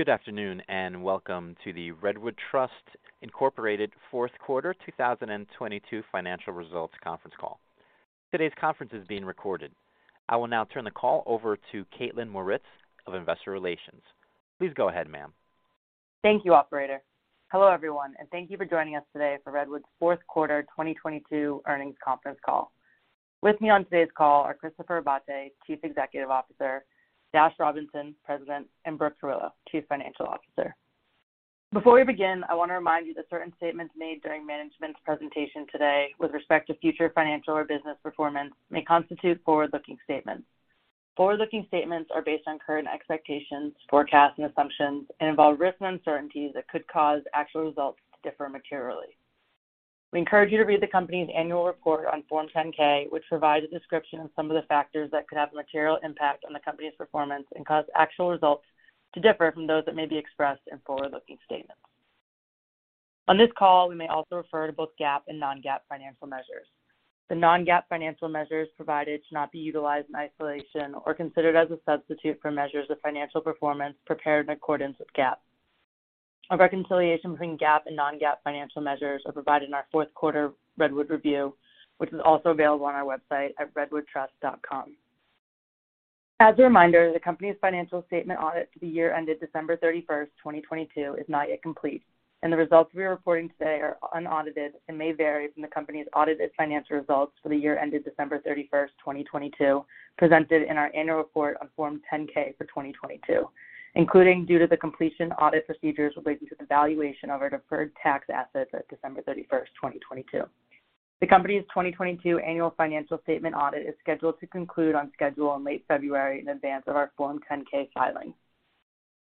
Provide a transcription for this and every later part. Good afternoon, welcome to the Redwood Trust, Inc. fourth quarter 2022 financial results conference call. Today's conference is being recorded. I will now turn the call over to Kaitlyn Mauritz of Investor Relations. Please go ahead, ma'am. Thank you, operator. Hello, everyone, and thank you for joining us today for Redwood's fourth quarter 2022 earnings conference call. With me on today's call are Christopher Abate, Chief Executive Officer, Dashiell Robinson, President, and Brooke Carillo, Chief Financial Officer. Before we begin, I want to remind you that certain statements made during management's presentation today with respect to future financial or business performance may constitute forward-looking statements. Forward-looking statements are based on current expectations, forecasts, and assumptions and involve risks and uncertainties that could cause actual results to differ materially. We encourage you to read the company's annual report on Form 10-K, which provides a description of some of the factors that could have a material impact on the company's performance and cause actual results to differ from those that may be expressed in forward-looking statements. On this call, we may also refer to both GAAP and non-GAAP financial measures. The non-GAAP financial measures provided should not be utilized in isolation or considered as a substitute for measures of financial performance prepared in accordance with GAAP. A reconciliation between GAAP and non-GAAP financial measures are provided in our fourth quarter Redwood Review, which is also available on our website at redwoodtrust.com. As a reminder, the company's financial statement audit for the year ended December 31st, 2022, is not yet complete, and the results we are reporting today are unaudited and may vary from the company's audited financial results for the year ended December 31st, 2022, presented in our annual report on Form 10-K for 2022, including due to the completion audit procedures related to the valuation of our deferred tax assets at December 31st, 2022. The company's 2022 annual financial statement audit is scheduled to conclude on schedule in late February in advance of our Form 10-K filing.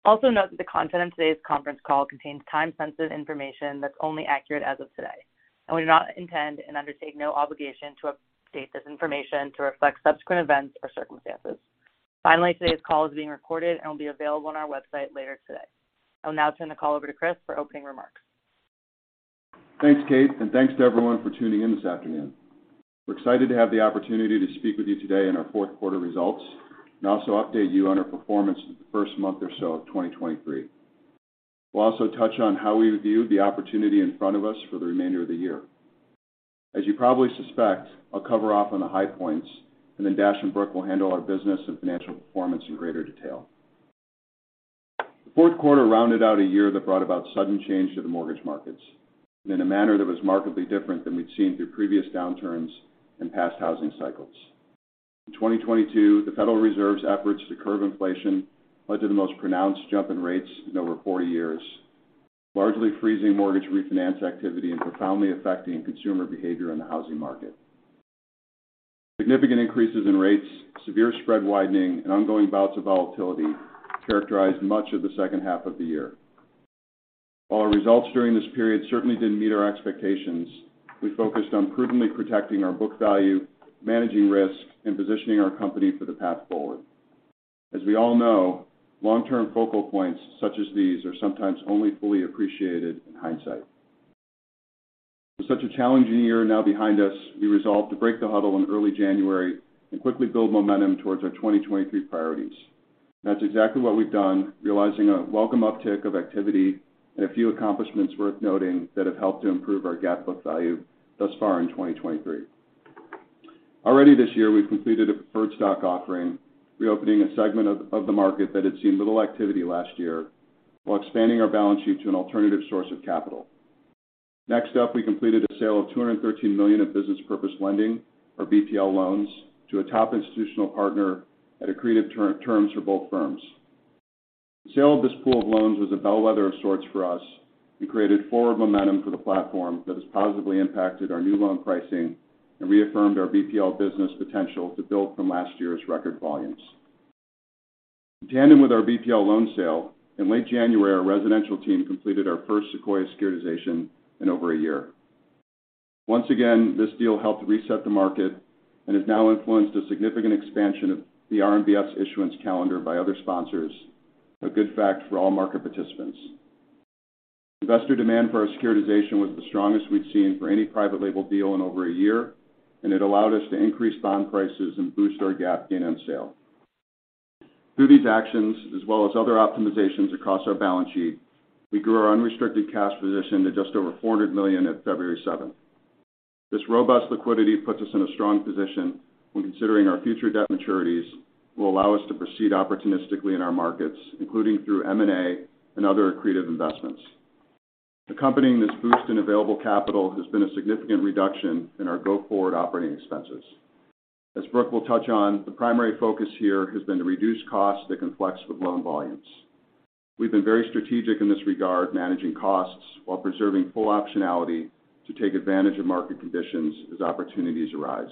Note that the content of today's conference call contains time-sensitive information that's only accurate as of today, and we do not intend and undertake no obligation to update this information to reflect subsequent events or circumstances. Today's call is being recorded and will be available on our website later today. I will now turn the call over to Chris for opening remarks. Thanks, Kaitlyn, thanks to everyone for tuning in this afternoon. We're excited to have the opportunity to speak with you today on our fourth quarter results and also update you on our performance for the first month or so of 2023. We'll also touch on how we view the opportunity in front of us for the remainder of the year. As you probably suspect, I'll cover off on the high points, and then Dash and Brooke will handle our business and financial performance in greater detail. The fourth quarter rounded out a year that brought about sudden change to the mortgage markets in a manner that was markedly different than we'd seen through previous downturns and past housing cycles. In 2022, the Federal Reserve's efforts to curb inflation led to the most pronounced jump in rates in over 40 years, largely freezing mortgage refinance activity and profoundly affecting consumer behavior in the housing market. Significant increases in rates, severe spread widening, and ongoing bouts of volatility characterized much of the second half of the year. While our results during this period certainly didn't meet our expectations, we focused on prudently protecting our book value, managing risk, and positioning our company for the path forward. As we all know, long-term focal points such as these are sometimes only fully appreciated in hindsight. With such a challenging year now behind us, we resolved to break the huddle in early January and quickly build momentum towards our 2023 priorities. That's exactly what we've done, realizing a welcome uptick of activity and a few accomplishments worth noting that have helped to improve our GAAP book value thus far in 2023. Already this year, we've completed a preferred stock offering, reopening a segment of the market that had seen little activity last year while expanding our balance sheet to an alternative source of capital. Next up, we completed a sale of $213 million of business purpose lending, or BPL loans, to a top institutional partner at accretive terms for both firms. The sale of this pool of loans was a bellwether of sorts for us and created forward momentum for the platform that has positively impacted our new loan pricing and reaffirmed our BPL business potential to build from last year's record volumes. In tandem with our BPL loan sale, in late January, our residential team completed our first Sequoia securitization in over a year. Once again, this deal helped reset the market and has now influenced a significant expansion of the RMBS issuance calendar by other sponsors, a good fact for all market participants. Investor demand for our securitization was the strongest we'd seen for any private label deal in over a year, and it allowed us to increase bond prices and boost our GAAP gain on sale. Through these actions, as well as other optimizations across our balance sheet, we grew our unrestricted cash position to just over $400 million at February 7th. This robust liquidity puts us in a strong position when considering our future debt maturities will allow us to proceed opportunistically in our markets, including through M&A and other accretive investments. Accompanying this boost in available capital has been a significant reduction in our go-forward operating expenses. As Brooke will touch on, the primary focus here has been to reduce costs that can flex with loan volumes. We've been very strategic in this regard, managing costs while preserving full optionality to take advantage of market conditions as opportunities arise.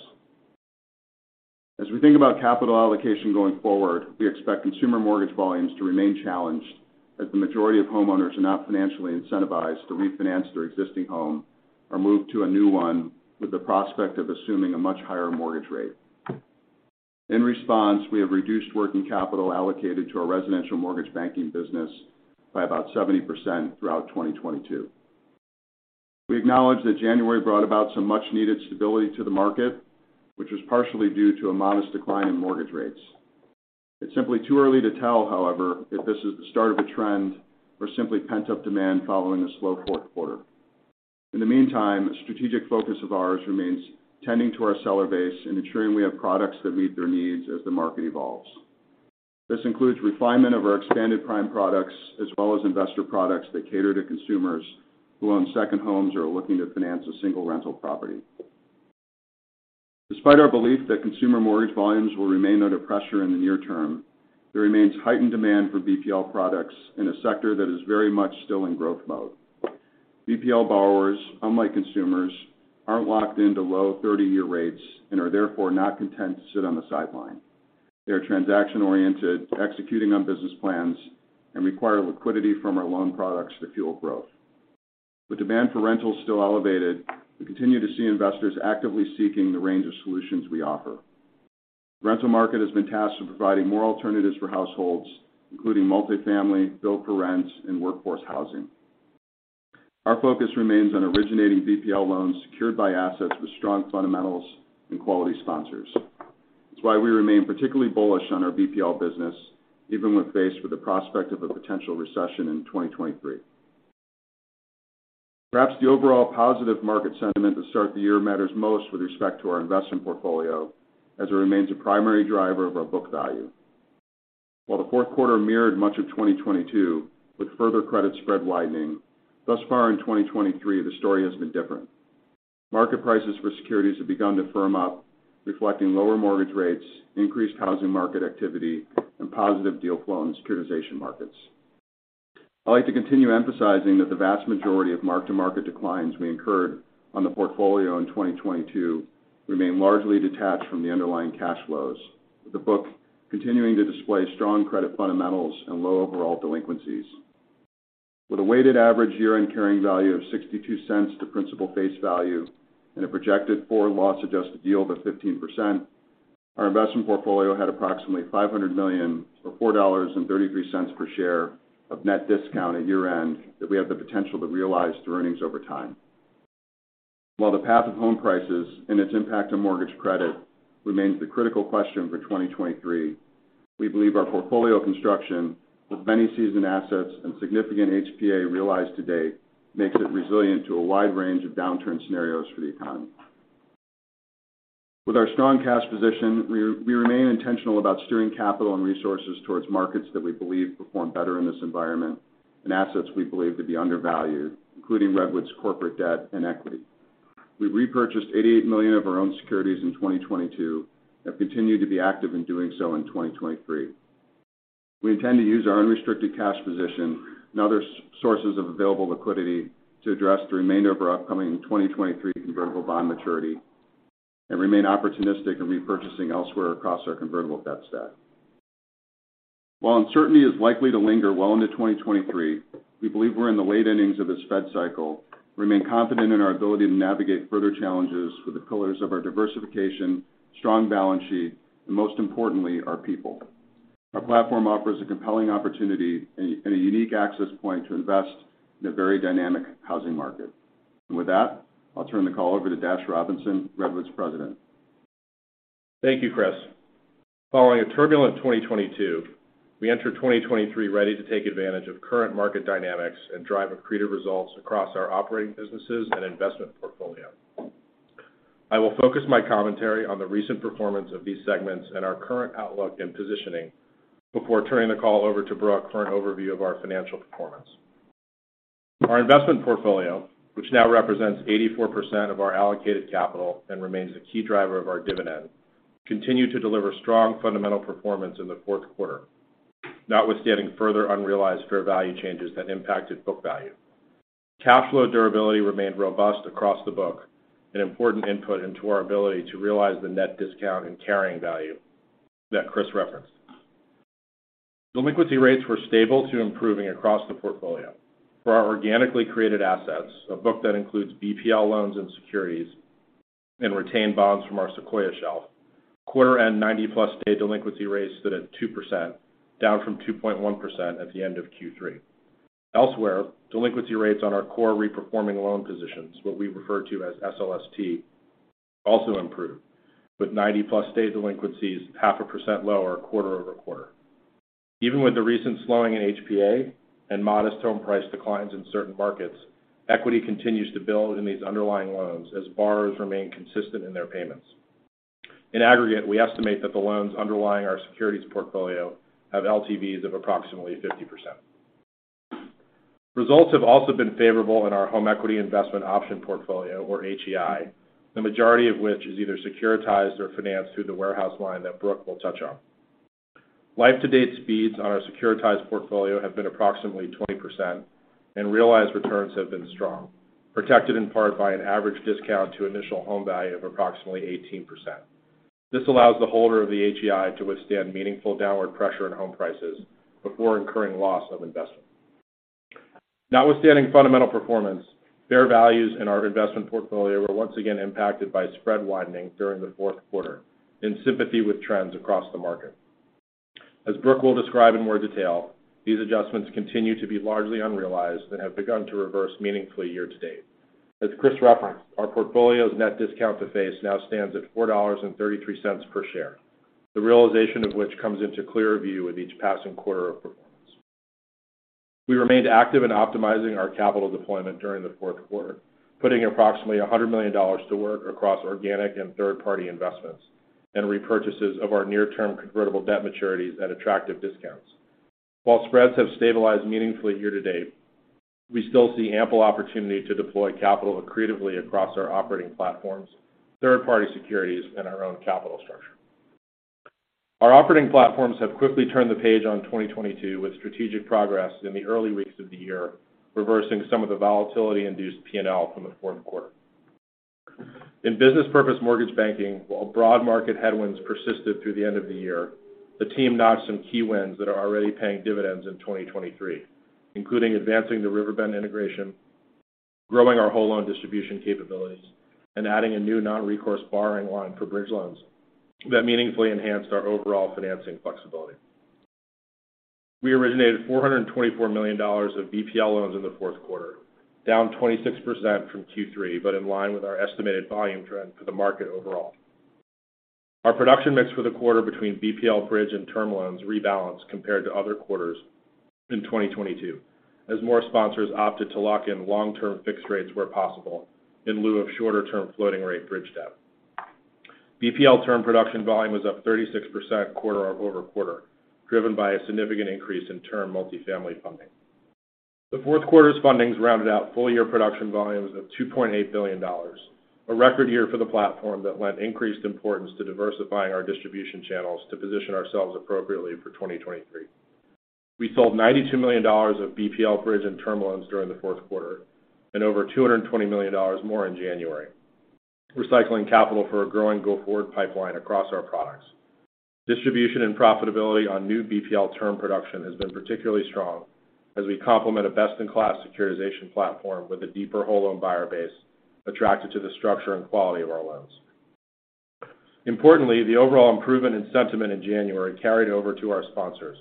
As we think about capital allocation going forward, we expect consumer mortgage volumes to remain challenged, as the majority of homeowners are not financially incentivized to refinance their existing home or move to a new one with the prospect of assuming a much higher mortgage rate. In response, we have reduced working capital allocated to our residential mortgage banking business by about 70% throughout 2022. We acknowledge that January brought about some much needed stability to the market, which was partially due to a modest decline in mortgage rates. It's simply too early to tell, however, if this is the start of a trend or simply pent-up demand following a slow fourth quarter. In the meantime, a strategic focus of ours remains tending to our seller base and ensuring we have products that meet their needs as the market evolves. This includes refinement of our expanded prime products as well as investor products that cater to consumers who own second homes or are looking to finance a single rental property. Despite our belief that consumer mortgage volumes will remain under pressure in the near term, there remains heightened demand for BPL products in a sector that is very much still in growth mode. BPL borrowers, unlike consumers, aren't locked into low 30-year rates and are therefore not content to sit on the sideline. They are transaction-oriented, executing on business plans and require liquidity from our loan products to fuel growth. With demand for rentals still elevated, we continue to see investors actively seeking the range of solutions we offer. Rental market has been tasked with providing more alternatives for households, including multifamily, build for rents, and workforce housing. Our focus remains on originating BPL loans secured by assets with strong fundamentals and quality sponsors. That's why we remain particularly bullish on our BPL business, even when faced with the prospect of a potential recession in 2023. Perhaps the overall positive market sentiment to start the year matters most with respect to our investment portfolio as it remains a primary driver of our book value. While the fourth quarter mirrored much of 2022, with further credit spread widening, thus far in 2023, the story has been different. Market prices for securities have begun to firm up, reflecting lower mortgage rates, increased housing market activity, and positive deal flow in securitization markets. I'd like to continue emphasizing that the vast majority of mark-to-market declines we incurred on the portfolio in 2022 remain largely detached from the underlying cash flows, with the book continuing to display strong credit fundamentals and low overall delinquencies. With a weighted average year-end carrying value of $0.62 to principal face value and a projected forward loss-adjusted yield of 15%, our investment portfolio had approximately $500 million, or $4.33 per share of net discount at year-end that we have the potential to realize through earnings over time. While the path of home prices and its impact on mortgage credit remains the critical question for 2023, we believe our portfolio construction with many seasoned assets and significant HPA realized to date makes it resilient to a wide range of downturn scenarios for the economy. With our strong cash position, we remain intentional about steering capital and resources towards markets that we believe perform better in this environment and assets we believe to be undervalued, including Redwood's corporate debt and equity. We repurchased $88 million of our own securities in 2022 and continue to be active in doing so in 2023. We intend to use our unrestricted cash position and other sources of available liquidity to address the remainder of our upcoming 2023 convertible bond maturity and remain opportunistic in repurchasing elsewhere across our convertible debt stack. While uncertainty is likely to linger well into 2023, we believe we're in the late innings of this Fed cycle. We remain confident in our ability to navigate further challenges with the pillars of our diversification, strong balance sheet, and most importantly, our people. Our platform offers a compelling opportunity and a unique access point to invest in a very dynamic housing market. With that, I'll turn the call over to Dashiell Robinson, Redwood's President. Thank you, Chris. Following a turbulent 2022, we enter 2023 ready to take advantage of current market dynamics and drive accretive results across our operating businesses and investment portfolio. I will focus my commentary on the recent performance of these segments and our current outlook and positioning before turning the call over to Brooke for an overview of our financial performance. Our investment portfolio, which now represents 84% of our allocated capital and remains a key driver of our dividend, continued to deliver strong fundamental performance in the fourth quarter, notwithstanding further unrealized fair value changes that impacted book value. Cash flow durability remained robust across the book, an important input into our ability to realize the net discount and carrying value that Chris referenced. Delinquency rates were stable to improving across the portfolio. For our organically created assets, a book that includes BPL loans and securities, and retained bonds from our Sequoia shelf. Quarter-end 90-plus-day delinquency rates stood at 2%, down from 2.1% at the end of Q3. Elsewhere, delinquency rates on our core reperforming loan positions, what we refer to as SLST, also improved, with 90-plus-day delinquencies half a percent lower quarter-over-quarter. Even with the recent slowing in HPA and modest home price declines in certain markets, equity continues to build in these underlying loans as borrowers remain consistent in their payments. In aggregate, we estimate that the loans underlying our securities portfolio have LTVs of approximately 50%. Results have also been favorable in our home equity investment option portfolio, or HEI, the majority of which is either securitized or financed through the warehouse line that Brooke will touch on. Life to date speeds on our securitized portfolio have been approximately 20% and realized returns have been strong, protected in part by an average discount to initial home value of approximately 18%. This allows the holder of the HEI to withstand meaningful downward pressure in home prices before incurring loss of investment. Notwithstanding fundamental performance, fair values in our investment portfolio were once again impacted by spread widening during the fourth quarter in sympathy with trends across the market. As Brooke will describe in more detail, these adjustments continue to be largely unrealized and have begun to reverse meaningfully year-to-date. As Chris referenced, our portfolio's net discount to face now stands at $4.33 per share, the realization of which comes into clearer view with each passing quarter of performance. We remained active in optimizing our capital deployment during the fourth quarter, putting approximately $100 million to work across organic and third-party investments and repurchases of our near-term convertible debt maturities at attractive discounts. While spreads have stabilized meaningfully year-to-date, we still see ample opportunity to deploy capital creatively across our operating platforms, third-party securities, and our own capital structure. Our operating platforms have quickly turned the page on 2022 with strategic progress in the early weeks of the year, reversing some of the volatility-induced P&L from the fourth quarter. In business purpose mortgage banking, while broad market headwinds persisted through the end of the year, the team knocked some key wins that are already paying dividends in 2023, including advancing the Riverbend integration, growing our whole loan distribution capabilities, and adding a new non-recourse borrowing line for bridge loans that meaningfully enhanced our overall financing flexibility. We originated $424 million of BPL loans in the fourth quarter, down 26% from Q3, but in line with our estimated volume trend for the market overall. Our production mix for the quarter between BPL bridge and term loans rebalanced compared to other quarters in 2022 as more sponsors opted to lock in long-term fixed rates where possible in lieu of shorter-term floating rate bridge debt. BPL term production volume was up 36% quarter-over-quarter, driven by a significant increase in term multifamily funding. The fourth quarter's fundings rounded out full-year production volumes of $2.8 billion, a record year for the platform that lent increased importance to diversifying our distribution channels to position ourselves appropriately for 2023. We sold $92 million of BPL bridge and term loans during the fourth quarter and over $220 million more in January, recycling capital for a growing go-forward pipeline across our products. Distribution and profitability on new BPL term production has been particularly strong as we complement a best-in-class securitization platform with a deeper whole-loan buyer base attracted to the structure and quality of our loans. Importantly, the overall improvement in sentiment in January carried over to our sponsors,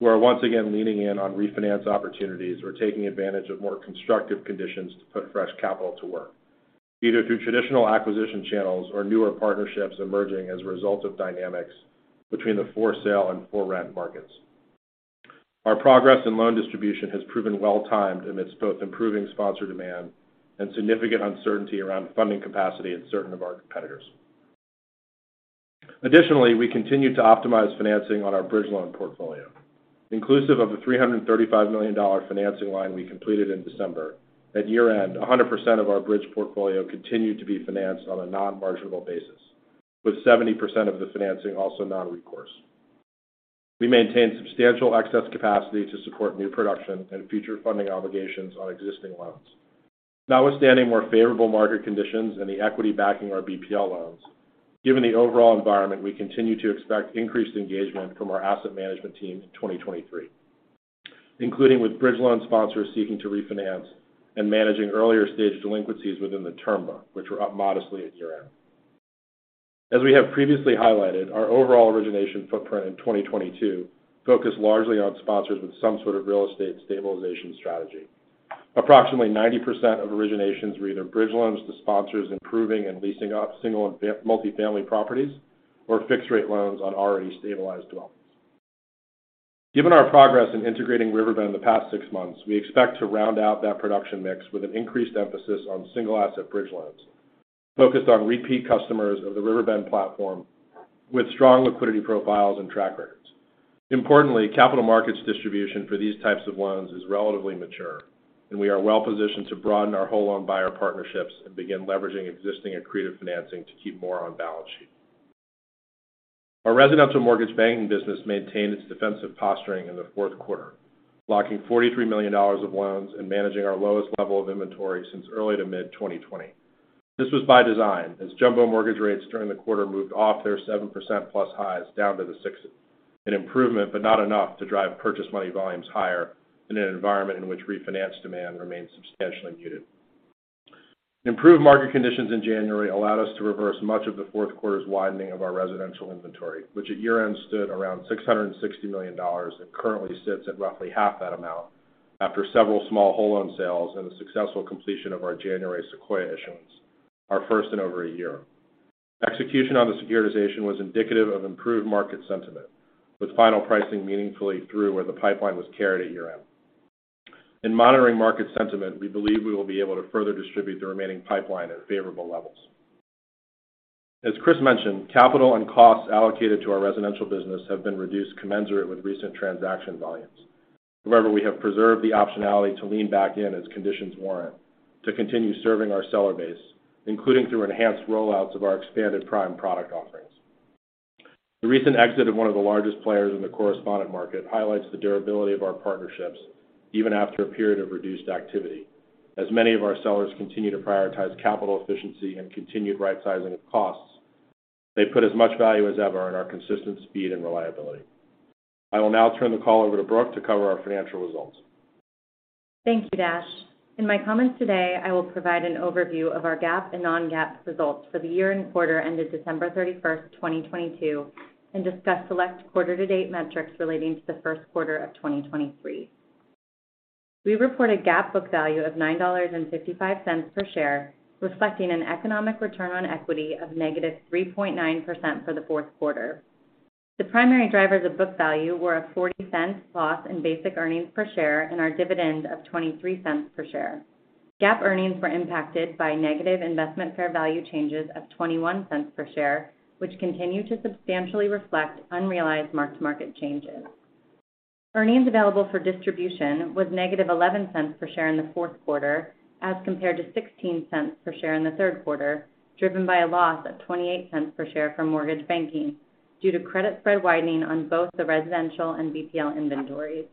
who are once again leaning in on refinance opportunities or taking advantage of more constructive conditions to put fresh capital to work, either through traditional acquisition channels or newer partnerships emerging as a result of dynamics between the for-sale and for-rent markets. Our progress in loan distribution has proven well-timed amidst both improving sponsor demand and significant uncertainty around funding capacity at certain of our competitors. We continue to optimize financing on our bridge loan portfolio. Inclusive of the $335 million financing line we completed in December, at year-end, 100% of our bridge portfolio continued to be financed on a non-marginal basis, with 70% of the financing also non-recourse. We maintain substantial excess capacity to support new production and future funding obligations on existing loans. Notwithstanding more favorable market conditions and the equity backing our BPL loans, given the overall environment, we continue to expect increased engagement from our asset management team in 2023, including with bridge loan sponsors seeking to refinance and managing earlier-stage delinquencies within the term loan, which were up modestly at year-end. As we have previously highlighted, our overall origination footprint in 2022 focused largely on sponsors with some sort of real estate stabilization strategy. Approximately 90% of originations were either bridge loans to sponsors improving and leasing up single and multi-family properties or fixed-rate loans on already stabilized developments. Given our progress in integrating Riverbend in the past 6 months, we expect to round out that production mix with an increased emphasis on single-asset bridge loans focused on repeat customers of the Riverbend platform with strong liquidity profiles and track records. Importantly, capital markets distribution for these types of loans is relatively mature, and we are well-positioned to broaden our whole loan buyer partnerships and begin leveraging existing and creative financing to keep more on balance sheet. Our residential mortgage banking business maintained its defensive posturing in the fourth quarter, locking $43 million of loans and managing our lowest level of inventory since early to mid-2020. This was by design, as jumbo mortgage rates during the quarter moved off their 7%+ highs down to the 6%, an improvement, but not enough to drive purchase money volumes higher in an environment in which refinance demand remains substantially muted. Improved market conditions in January allowed us to reverse much of the fourth quarter's widening of our residential inventory, which at year-end stood around $660 million and currently sits at roughly half that amount after several small whole loan sales and the successful completion of our January Sequoia issuance, our first in over a year. Execution on the securitization was indicative of improved market sentiment, with final pricing meaningfully through where the pipeline was carried at year-end. In monitoring market sentiment, we believe we will be able to further distribute the remaining pipeline at favorable levels. As Chris mentioned, capital and costs allocated to our residential business have been reduced commensurate with recent transaction volumes. However, we have preserved the optionality to lean back in as conditions warrant to continue serving our seller base, including through enhanced rollouts of our expanded prime product offerings. The recent exit of one of the largest players in the correspondent market highlights the durability of our partnerships even after a period of reduced activity. As many of our sellers continue to prioritize capital efficiency and continued rightsizing of costs, they put as much value as ever in our consistent speed and reliability. I will now turn the call over to Brooke to cover our financial results. Thank you, Dashiell. In my comments today, I will provide an overview of our GAAP and non-GAAP results for the year and quarter ended December 31, 2022, and discuss select quarter-to-date metrics relating to the first quarter of 2023. We reported GAAP book value of $9.55 per share, reflecting an economic return on equity of -3.9% for the fourth quarter. The primary drivers of book value were a $0.40 loss in basic earnings per share and our dividend of $0.23 per share. GAAP earnings were impacted by negative investment fair value changes of $0.21 per share, which continue to substantially reflect unrealized mark-to-market changes. Earnings available for distribution was negative $0.11 per share in the fourth quarter as compared to $0.16 per share in the third quarter, driven by a loss of $0.28 per share from mortgage banking due to credit spread widening on both the residential and BPL inventories.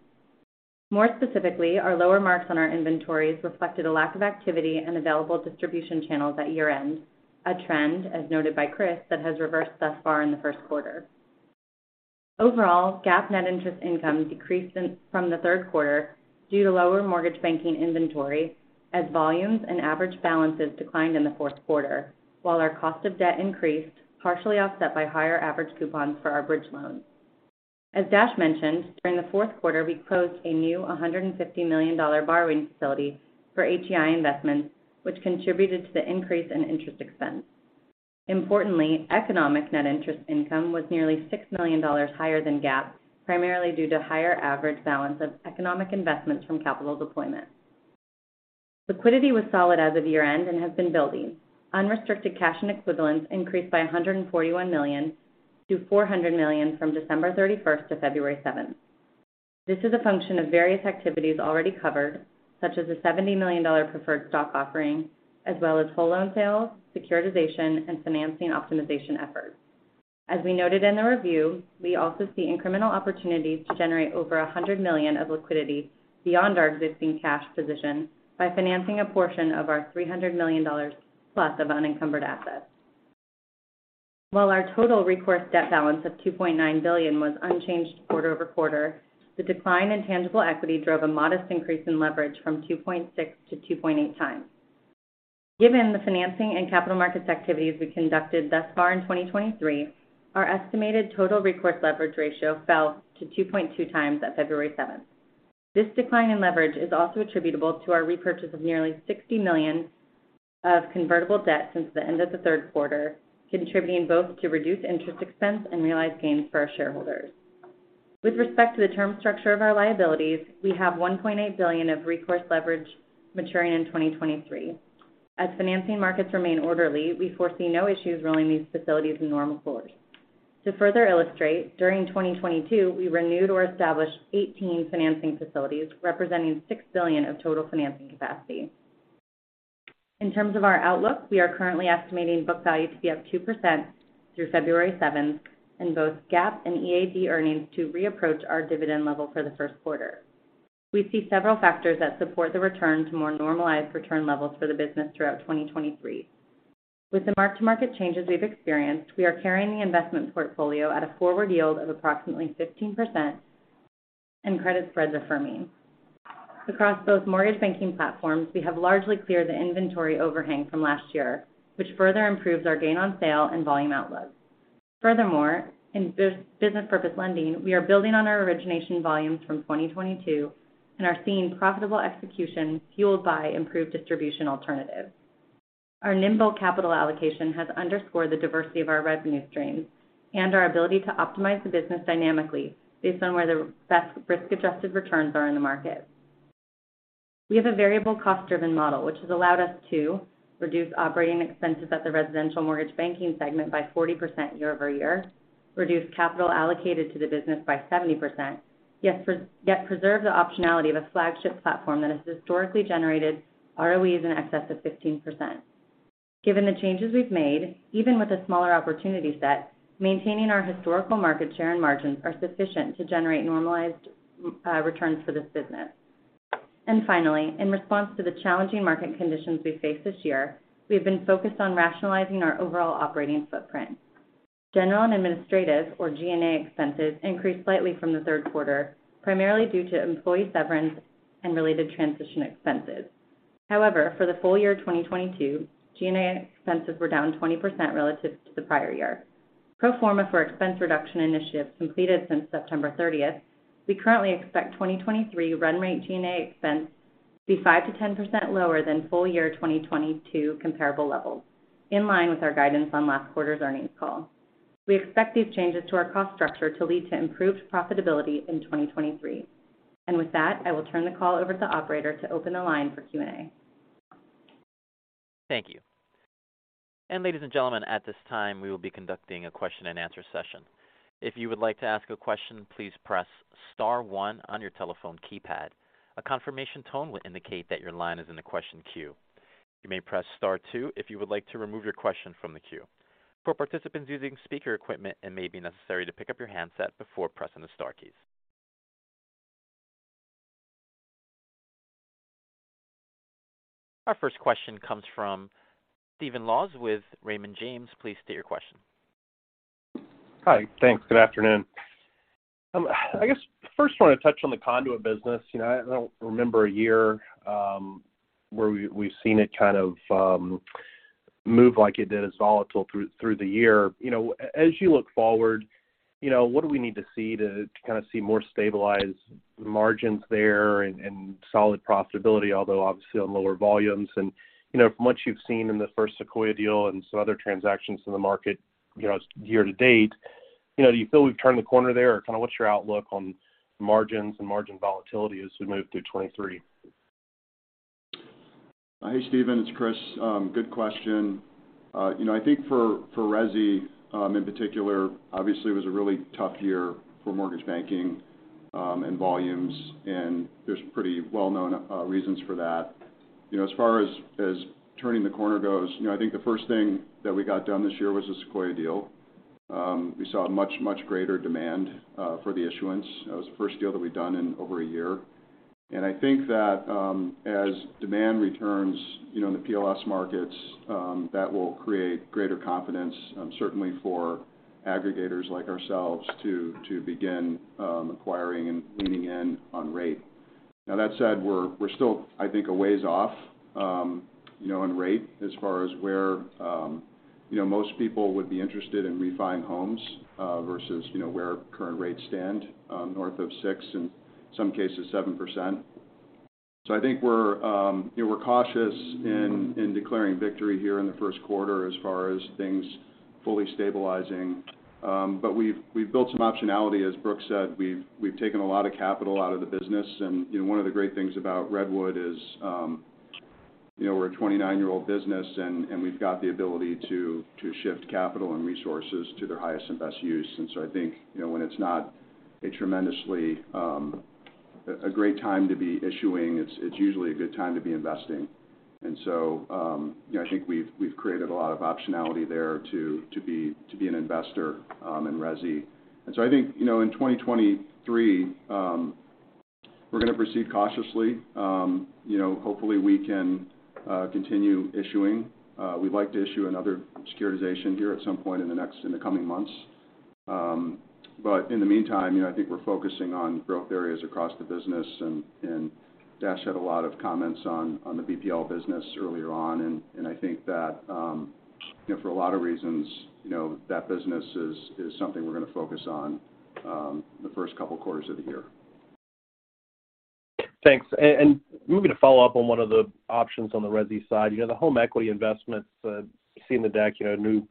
More specifically, our lower marks on our inventories reflected a lack of activity and available distribution channels at year-end, a trend, as noted by Christopher Abate, that has reversed thus far in the first quarter. Overall, GAAP net interest income decreased from the third quarter due to lower mortgage banking inventory as volumes and average balances declined in the fourth quarter, while our cost of debt increased, partially offset by higher average coupons for our bridge loans. As Dashiell mentioned, during the fourth quarter, we closed a new $150 million borrowing facility for HEI Investments, which contributed to the increase in interest expense. Importantly, economic net interest income was nearly $6 million higher than GAAP, primarily due to higher average balance of economic investments from capital deployment. Liquidity was solid as of year-end and has been building. Unrestricted cash and equivalents increased by $141 million to $400 million from December 31st to February seventh. This is a function of various activities already covered, such as a $70 million preferred stock offering as well as whole loan sales, securitization, and financing optimization efforts. We noted in the Redwood Review, we also see incremental opportunities to generate over $100 million of liquidity beyond our existing cash position by financing a portion of our $300 million plus of unencumbered assets. While our total recourse debt balance of $2.9 billion was unchanged quarter-over-quarter, the decline in tangible equity drove a modest increase in leverage from 2.6 to 2.8 times. Given the financing and capital markets activities we conducted thus far in 2023, our estimated total recourse leverage ratio fell to 2.2 times at February 7th. This decline in leverage is also attributable to our repurchase of nearly $60 million of convertible debt since the end of the third quarter, contributing both to reduced interest expense and realized gains for our shareholders. With respect to the term structure of our liabilities, we have $1.8 billion of recourse leverage maturing in 2023. As financing markets remain orderly, we foresee no issues rolling these facilities in normal course. To further illustrate, during 2022, we renewed or established 18 financing facilities representing $6 billion of total financing capacity. In terms of our outlook, we are currently estimating book value to be up 2% through February 7th in both GAAP and EAD earnings to reapproach our dividend level for the first quarter. We see several factors that support the return to more normalized return levels for the business throughout 2023. With the mark-to-market changes we've experienced, we are carrying the investment portfolio at a forward yield of approximately 15% and credit spreads are firming. Across both mortgage banking platforms, we have largely cleared the inventory overhang from last year, which further improves our gain on sale and volume outlooks. Furthermore, in business purpose lending, we are building on our origination volumes from 2022 and are seeing profitable execution fueled by improved distribution alternatives. Our nimble capital allocation has underscored the diversity of our revenue streams and our ability to optimize the business dynamically based on where the best risk-adjusted returns are in the market. We have a variable cost-driven model, which has allowed us to reduce operating expenses at the residential mortgage banking segment by 40% year over year, reduce capital allocated to the business by 70%, yet preserve the optionality of a flagship platform that has historically generated ROEs in excess of 15%. Given the changes we've made, even with a smaller opportunity set, maintaining our historical market share and margins are sufficient to generate normalized returns for this business. Finally, in response to the challenging market conditions we face this year, we have been focused on rationalizing our overall operating footprint. General and administrative, or G&A expenses, increased slightly from the third quarter, primarily due to employee severance and related transition expenses. However, for the full year 2022, G&A expenses were down 20% relative to the prior year. Pro forma for expense reduction initiatives completed since September 30th, we currently expect 2023 run rate G&A expense to be 5%-10% lower than full year 2022 comparable levels, in line with our guidance on last quarter's earnings call. We expect these changes to our cost structure to lead to improved profitability in 2023. With that, I will turn the call over to operator to open the line for Q&A. Thank you. Ladies and gentlemen, at this time, we will be conducting a question and answer session. If you would like to ask a question, please press star 1 on your telephone keypad. A confirmation tone will indicate that your line is in the question queue. You may press star 2 if you would like to remove your question from the queue. For participants using speaker equipment, it may be necessary to pick up your handset before pressing the star keys. Our first question comes from Stephen Laws with Raymond James. Please state your question. Hi. Thanks. Good afternoon. I guess first I want to touch on the conduit business. You know, I don't remember a year, where we've seen it kind of move like it did, as volatile through the year. You know, as you look forward, you know, what do we need to see to kind of see more stabilized margins there and solid profitability, although obviously on lower volumes? You know, from what you've seen in the first Sequoia deal and some other transactions in the market, you know, year-to-date, you know, do you feel we've turned the corner there? Kind of what's your outlook on margins and margin volatility as we move through 2023? Hey, Stephen Laws, it's Christopher Abate. Good question. You know, I think for resi, in particular, obviously it was a really tough year for mortgage banking and volumes, and there's pretty well-known reasons for that. You know, as far as turning the corner goes, you know, I think the first thing that we got done this year was the Sequoia deal. We saw much, much greater demand for the issuance. That was the first deal that we'd done in over a year. I think that, as demand returns, you know, in the PLS markets, that will create greater confidence, certainly for aggregators like ourselves to begin acquiring and leaning in on rate. Now that said, we're still, I think, a ways off, you know, on rate as far as where, you know, most people would be interested in refining homes, versus, you know, where current rates stand, north of 6%, in some cases 7%. I think we're, you know, we're cautious in declaring victory here in the first quarter as far as things fully stabilizing. But we've built some optionality, as Brooke said. We've taken a lot of capital out of the business. You know, one of the great things about Redwood is, you know, we're a 29-year-old business and we've got the ability to shift capital and resources to their highest and best use. I think, you know, when it's not a tremendously great time to be issuing, it's usually a good time to be investing. you know, I think we've created a lot of optionality there to be an investor in resi. I think, you know, in 2023, we're gonna proceed cautiously. you know, hopefully we can continue issuing. We'd like to issue another securitization here at some point in the coming months. In the meantime, you know, I think we're focusing on growth areas across the business, and Dash had a lot of comments on the BPL business earlier on. I think that, you know, for a lot of reasons, you know, that business is something we're gonna focus on, the first couple quarters of the year. Thanks. Moving to follow up on one of the options on the resi side, you know, the home equity investments, we see in the deck, you know,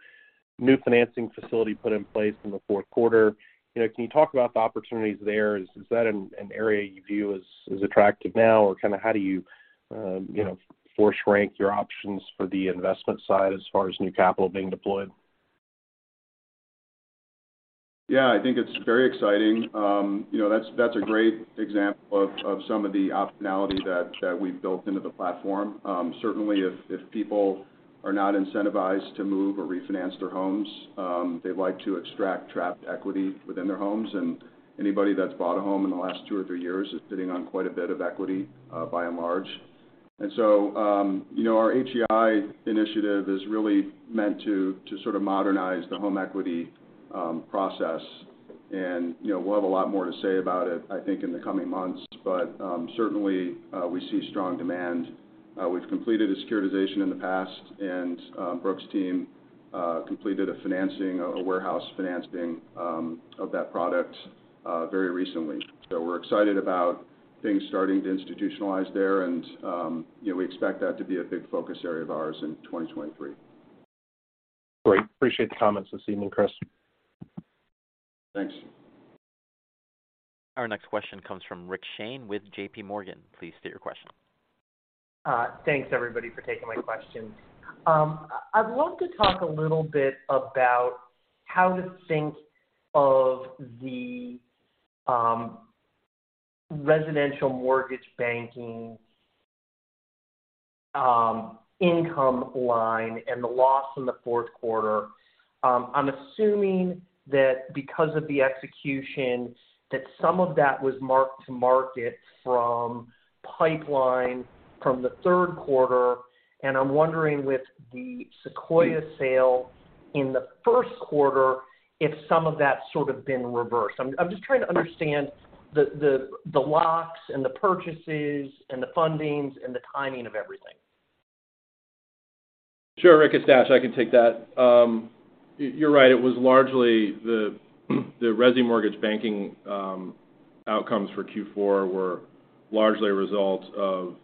new financing facility put in place in the fourth quarter. You know, can you talk about the opportunities there? Is that an area you view as attractive now? Kind of how do you know, force rank your options for the investment side as far as new capital being deployed? Yeah. I think it's very exciting. You know, that's a great example of some of the optionality that we've built into the platform. Certainly if people are not incentivized to move or refinance their homes, they like to extract trapped equity within their homes. Anybody that's bought a home in the last 2 or 3 years is sitting on quite a bit of equity, by and large. You know, our HEI initiative is really meant to sort of modernize the home equity process. You know, we'll have a lot more to say about it, I think, in the coming months. Certainly, we see strong demand. We've completed a securitization in the past, Brooke's team completed a financing, a warehouse financing, of that product, very recently. We're excited about things starting to institutionalize there and, you know, we expect that to be a big focus area of ours in 2023. Great. Appreciate the comments this evening, Chris. Thanks. Our next question comes from Rick Shane with JPMorgan. Please state your question. Thanks everybody for taking my questions. I'd love to talk a little bit about how to think of the residential mortgage banking income line and the loss in the fourth quarter. I'm assuming that because of the execution that some of that was marked to market from pipeline from the third quarter, and I'm wondering with the Sequoia sale in the first quarter if some of that's sort of been reversed. I'm just trying to understand the locks and the purchases and the fundings and the timing of everything. Sure, Rick. It's Dash. I can take that. You're right. It was largely the resi mortgage banking outcomes for Q4 were largely a result of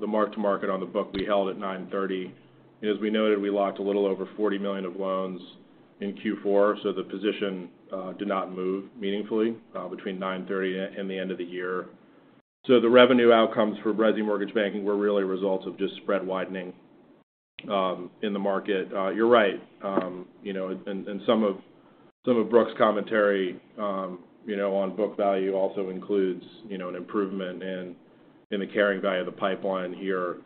the mark-to-market on the book we held at nine thirty. As we noted, we locked a little over $40 million of loans in Q4, so the position did not move meaningfully between nine thirty and the end of the year. The revenue outcomes for resi mortgage banking were really a result of just spread widening in the market. You're right, you know, and some of Brooke's commentary, you know, on book value also includes, you know, an improvement in the carrying value of the pipeline here,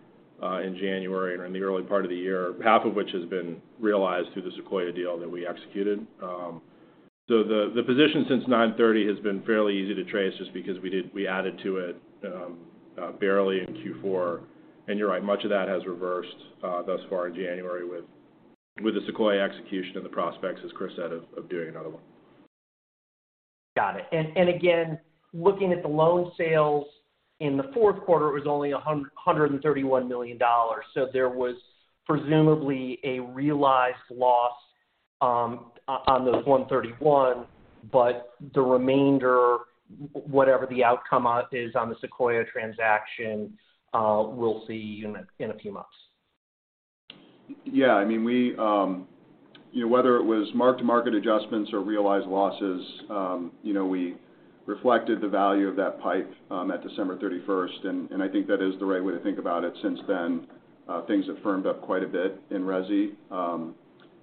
in January and in the early part of the year, half of which has been realized through the Sequoia deal that we executed. The, the position since nine thirty has been fairly easy to trace just because we added to it, barely in Q4. You're right, much of that has reversed, thus far in January with the Sequoia execution and the prospects, as Chris said, of doing another one. Got it. Again, looking at the loan sales in the fourth quarter, it was only $131 million. There was presumably a realized loss, on those 131, but the remainder, whatever the outcome, is on the Sequoia transaction, we'll see in a few months. Yeah, I mean, we, you know, whether it was mark-to-market adjustments or realized losses, you know, we reflected the value of that pipe at December 31st. I think that is the right way to think about it. Since then, things have firmed up quite a bit in resi.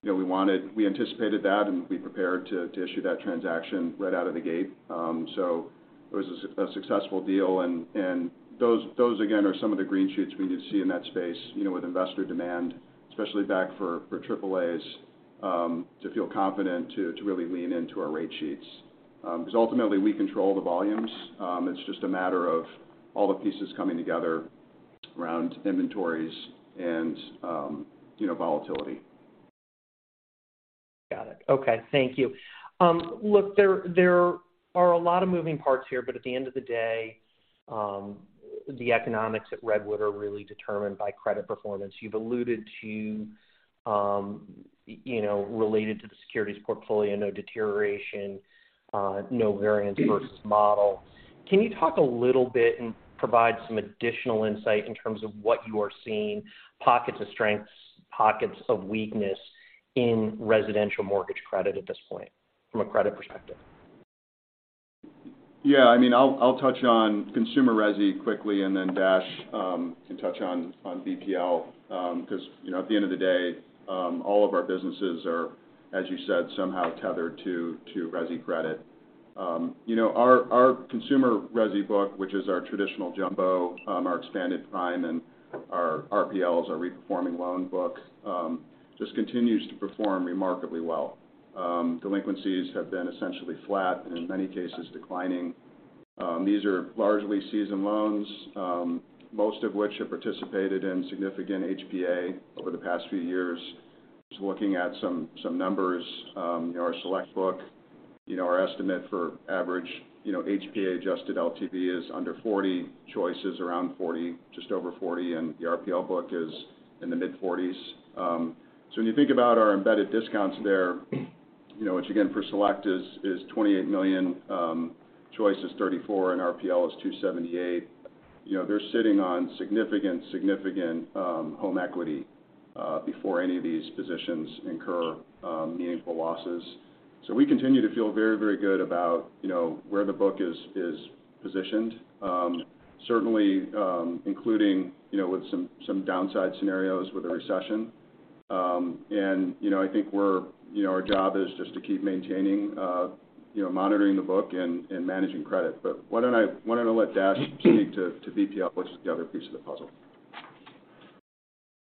You know, we anticipated that, and we prepared to issue that transaction right out of the gate. It was a successful deal. Those, again, are some of the green shoots we need to see in that space, you know, with investor demand, especially back for AAAs, to feel confident to really lean into our rate sheets. Ultimately, we control the volumes. It's just a matter of all the pieces coming together around inventories and, you know, volatility. Got it. Okay. Thank you. look, there are a lot of moving parts here, but at the end of the day, the economics at Redwood are really determined by credit performance. You've alluded to, you know, related to the securities portfolio, no deterioration, no variance versus model. Can you talk a little bit and provide some additional insight in terms of what you are seeing, pockets of strengths, pockets of weakness in residential mortgage credit at this point from a credit perspective? Yeah. I mean, I'll touch on consumer resi quickly, and then Dash can touch on BPL. You know, at the end of the day, all of our businesses are, as you said, somehow tethered to resi credit. You know, our consumer resi book, which is our traditional jumbo, our expanded prime, and our RPLs, our reperforming loan book, just continues to perform remarkably well. Delinquencies have been essentially flat and in many cases, declining. These are largely seasoned loans, most of which have participated in significant HPA over the past few years. Just looking at some numbers, you know, our Select book, you know, our estimate for average, you know, HPA-adjusted LTV is under 40, Choice is around 40, just over 40, and the RPL book is in the mid-40s. When you think about our embedded discounts there, you know, which again, for Select is $28 million, Choice is $34 million, and RPL is $278 million. You know, they're sitting on significant home equity before any of these positions incur meaningful losses. We continue to feel very good about, you know, where the book is positioned. Certainly, including, you know, with some downside scenarios with a recession. You know, I think our job is just to keep maintaining, you know, monitoring the book and managing credit. Why don't I let Dash speak to BPL, which is the other piece of the puzzle.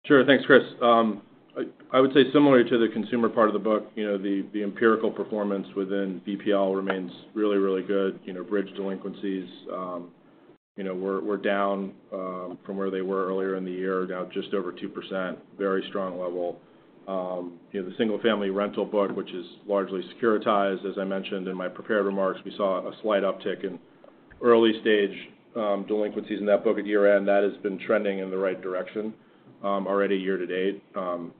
Sure. Thanks, Chris. I would say similar to the consumer part of the book, you know, the empirical performance within BPL remains really, really good. You know, bridge delinquencies, you know, we're down from where they were earlier in the year, down just over 2%, very strong level. You know, the single-family rental book, which is largely securitized, as I mentioned in my prepared remarks, we saw a slight uptick in early-stage delinquencies in that book at year-end. That has been trending in the right direction already year to date,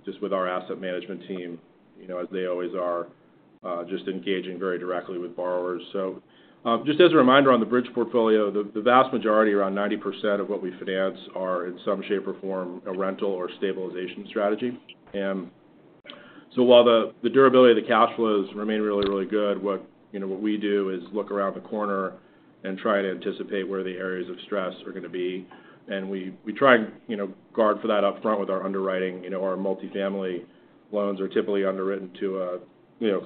just with our asset management team, you know, as they always are, just engaging very directly with borrowers. Just as a reminder on the bridge portfolio, the vast majority, around 90% of what we finance are in some shape or form a rental or stabilization strategy. While the durability of the cash flows remain really, really good, what we do is look around the corner and try to anticipate where the areas of stress are gonna be. We try and guard for that upfront with our underwriting. Our multifamily loans are typically underwritten to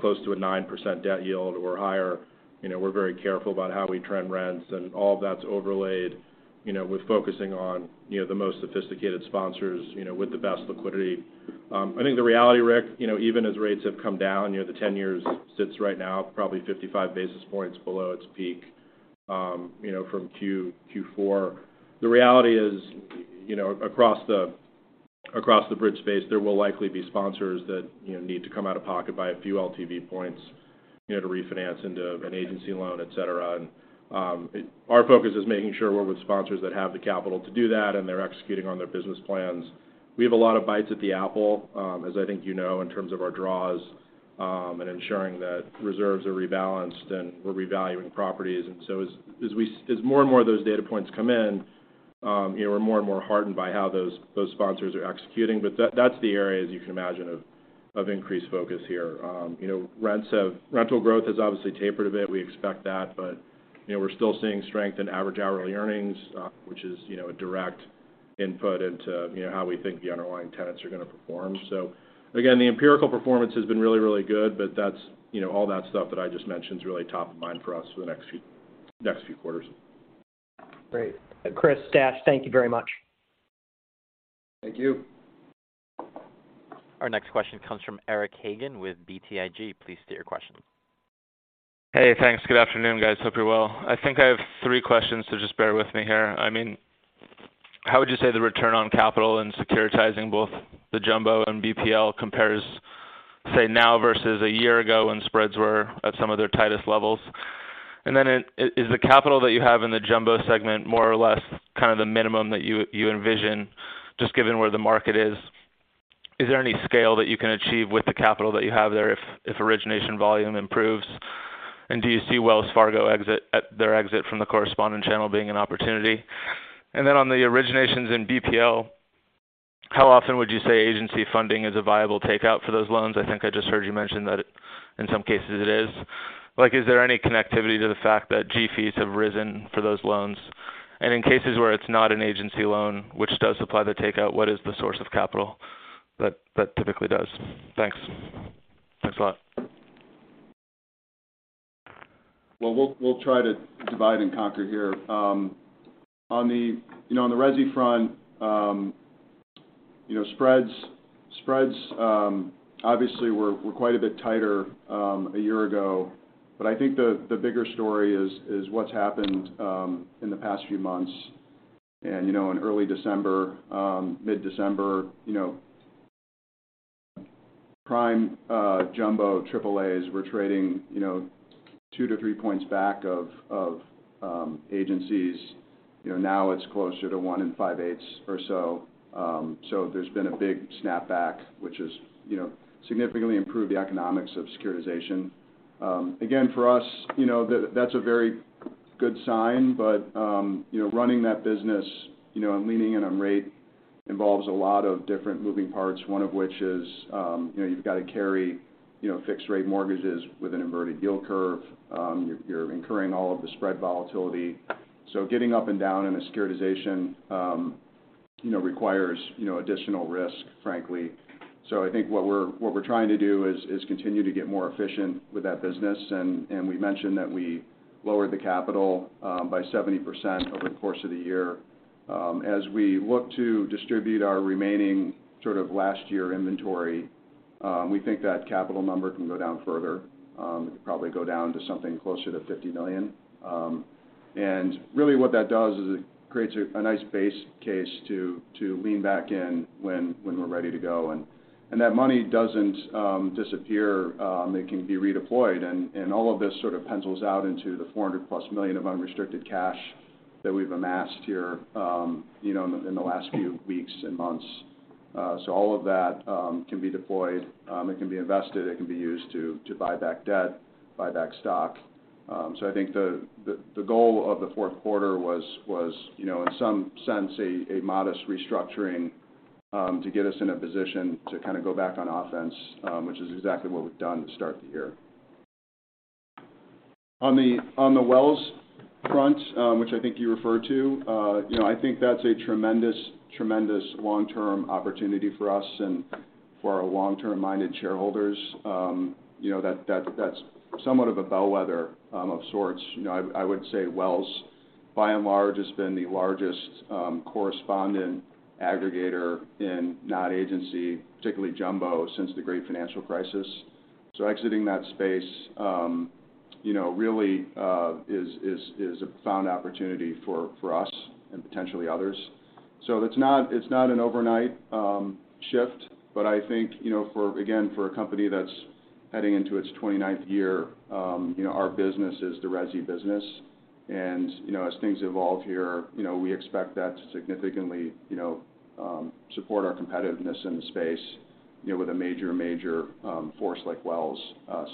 close to a 9% debt yield or higher. We're very careful about how we trend rents, and all that's overlaid with focusing on the most sophisticated sponsors with the best liquidity. I think the reality, Rick, you know, even as rates have come down, you know, the 10 years sits right now probably 55 basis points below its peak, you know, from Q4. The reality is, you know, across the bridge space, there will likely be sponsors that, you know, need to come out of pocket by a few LTV points, you know, to refinance into an agency loan, et cetera. Our focus is making sure we're with sponsors that have the capital to do that, and they're executing on their business plans. We have a lot of bites at the apple, as I think you know, in terms of our draws, and ensuring that reserves are rebalanced and we're revaluing properties. As more and more of those data points come in, you know, we're more and more heartened by how those sponsors are executing. That's the area, as you can imagine, of increased focus here. You know, rental growth has obviously tapered a bit. We expect that. You know, we're still seeing strength in average hourly earnings, which is, you know, a direct input into, you know, how we think the underlying tenants are gonna perform. Again, the empirical performance has been really, really good, but that's, you know, all that stuff that I just mentioned is really top of mind for us for the next few quarters. Great. Chris, Dash, thank you very much. Thank you. Our next question comes from Eric Hagen with BTIG. Please state your question. Hey, thanks. Good afternoon, guys. Hope you're well. I think I have three questions. Just bear with me here. I mean, how would you say the return on capital and securitizing both the jumbo and BPL compares, say, now versus a year ago when spreads were at some of their tightest levels? Is the capital that you have in the jumbo segment more or less kind of the minimum that you envision just given where the market is? Is there any scale that you can achieve with the capital that you have there if origination volume improves? Do you see Wells Fargo their exit from the correspondent channel being an opportunity? On the originations in BPL, how often would you say agency funding is a viable takeout for those loans? I think I just heard you mention that in some cases it is. Like, is there any connectivity to the fact that g-fees have risen for those loans? In cases where it's not an agency loan, which does apply the takeout, what is the source of capital that typically does? Thanks. Thanks a lot. Well, we'll try to divide and conquer here. On the, you know, on the resi front, you know, spreads, obviously were quite a bit tighter a year ago. I think the bigger story is what's happened in the past few months. You know, in early December, mid-December, you know, prime, jumbo AAA were trading, you know, 2 to 3 points back of agencies. You know, now it's closer to 1 and 5-8th or so. There's been a big snapback, which has, you know, significantly improved the economics of securitization. Again, for us, you know, that's a very good sign. You know, running that business, you know, and leaning in on rate involves a lot of different moving parts, one of which is, you know, you've got to carry, you know, fixed rate mortgages with an inverted yield curve. You're incurring all of the spread volatility. Getting up and down in a securitization, you know, requires, you know, additional risk, frankly. I think what we're trying to do is continue to get more efficient with that business. We mentioned that we lowered the capital by 70% over the course of the year. As we look to distribute our remaining sort of last year inventory, we think that capital number can go down further, probably go down to something closer to $50 million. Really what that does is it creates a nice base case to lean back in when we're ready to go. That money doesn't disappear. It can be redeployed. All of this sort of pencils out into the $400+ million of unrestricted cash that we've amassed here, you know, in the last few weeks and months. All of that can be deployed. It can be invested, it can be used to buy back debt, buy back stock. I think the goal of the fourth quarter was, you know, in some sense, a modest restructuring to get us in a position to kind of go back on offense, which is exactly what we've done to start the year. On the Wells front, which I think you referred to, you know, I think that's a tremendous long-term opportunity for us and for our long-term-minded shareholders. You know, that's somewhat of a bellwether of sorts. You know, I would say Wells, by and large, has been the largest correspondent aggregator in non-agency, particularly jumbo, since the great financial crisis. Exiting that space, you know, really is a found opportunity for us and potentially others. It's not an overnight shift. I think, you know, for, again, for a company that's heading into its 29th year, you know, our business is the resi business. You know, as things evolve here, you know, we expect that to significantly, you know, support our competitiveness in the space, you know, with a major force like Wells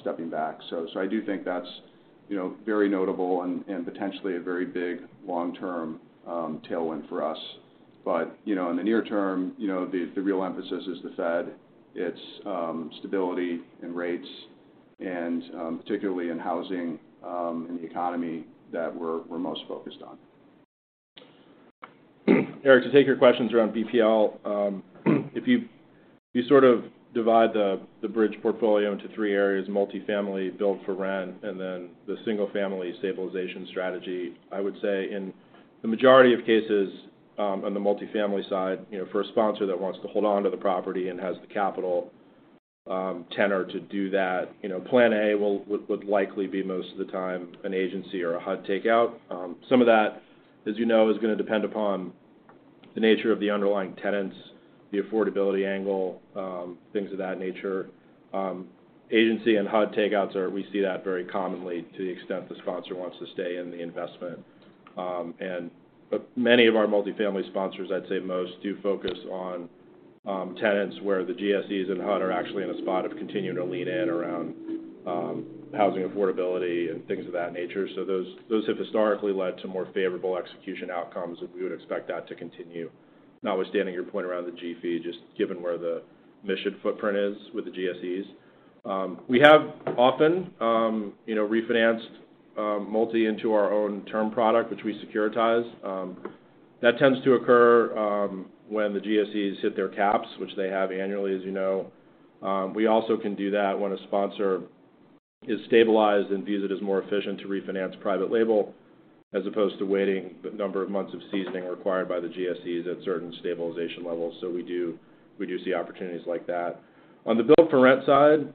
stepping back. I do think that's, you know, very notable and potentially a very big long-term tailwind for us. You know, in the near term, you know, the real emphasis is the Fed, its stability and rates, and particularly in housing, and the economy that we're most focused on. Eric, to take your questions around BPL. If you sort of divide the bridge portfolio into three areas: multifamily, build-to-rent, and then the single-family stabilization strategy. I would say in the majority of cases, on the multifamily side, you know, for a sponsor that wants to hold on to the property and has the capital, tenor to do that, you know, plan A would likely be most of the time an agency or a HUD takeout. Some of that, as you know, is gonna depend upon the nature of the underlying tenants, the affordability angle, things of that nature. Agency and HUD takeouts we see that very commonly to the extent the sponsor wants to stay in the investment. Many of our multifamily sponsors, I'd say most, do focus on tenants where the GSEs and HUD are actually in a spot of continuing to lean in around housing affordability and things of that nature. Those have historically led to more favorable execution outcomes, and we would expect that to continue, notwithstanding your point around the G fee, just given where the mission footprint is with the GSEs. We have often, you know, refinanced, multi into our own term product, which we securitize. That tends to occur when the GSEs hit their caps, which they have annually, as you know. We also can do that when a sponsor Is stabilized and views it as more efficient to refinance private-label as opposed to waiting the number of months of seasoning required by the GSEs at certain stabilization levels. We do, we do see opportunities like that. On the build-to-rent side,